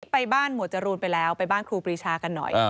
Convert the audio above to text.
ไปบ้านหมวดจรูนไปแล้วไปบ้านครูปรีชากันหน่อย